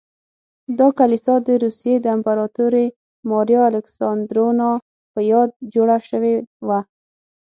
دا کلیسا د روسیې د امپراتورې ماریا الکساندرونا په یاد جوړه شوې وه.